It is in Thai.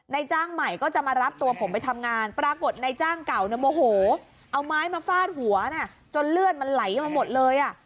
จ้างใหม่ก็จะมารับตัวผมไปทำงานปรากฏในจ้างเก่าเนี่ยโมโหเอาไม้มาฟาดหัวจนเลือดมันไหลมาหมดเลยอ่ะ